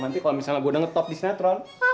nanti kalau misalnya gue udah ngetop di senetron